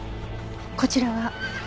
こちらは？